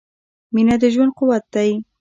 • مینه د ژوند قوت دی.